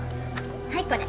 はいこれ。